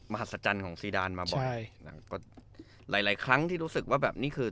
หัศจรรย์ของซีดานมาบ่อยนางก็หลายหลายครั้งที่รู้สึกว่าแบบนี่คือ